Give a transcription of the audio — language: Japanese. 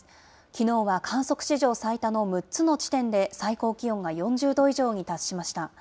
きのうは観測史上最多の６つの地点で最高気温が４０度以上に達しました。